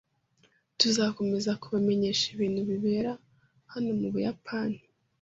Tuzakomeza kubamenyesha ibintu bibera hano mu Buyapani